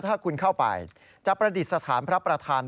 ถ้าคุณเข้าไปจะประดิษฐานพระประธาน